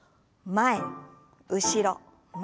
前後ろ前。